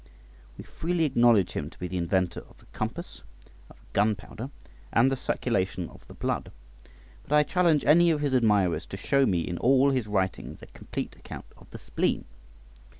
We freely acknowledge him to be the inventor of the compass, of gunpowder, and the circulation of the blood; but I challenge any of his admirers to show me in all his writings a complete account of the spleen.